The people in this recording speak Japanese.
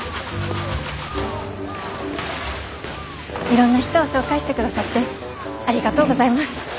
いろんな人を紹介してくださってありがとうございます。